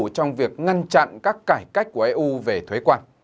trong việc ngăn chặn các cải cách của eu về thuế quan